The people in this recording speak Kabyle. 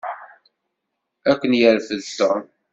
Ad ken-yerfed Tom.